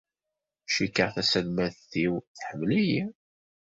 Cikkeɣ taselmadt-iw tḥemmel-iyi.